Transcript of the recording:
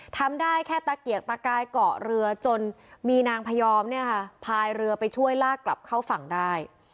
ทำได้แค่ตะเกียกตะกายเกาะเรือจนมีนางพยอมเนี่ยค่ะพายเรือไปช่วยลากกลับเข้าฝั่งได้